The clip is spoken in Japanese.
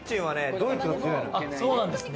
ドイツが強いのよ。